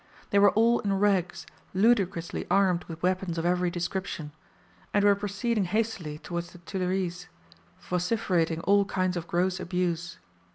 They were all in rags, ludicrously armed with weapons of every description, and were proceeding hastily towards the Tuilleries, vociferating all kinds of gross abuse.